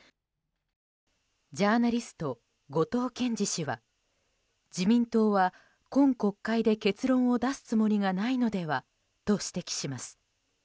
ジャーナリスト、後藤謙次氏は自民党は、今国会で結論を出すつもりがないのではと指摘します。